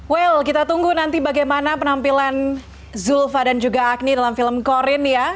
well kita tunggu nanti bagaimana penampilan zulfa dan juga agni dalam film korean ya